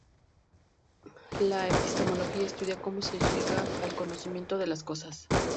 La epistemología estudia cómo se llega al conocimiento de las cosas.